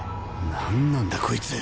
何なんだこいつ。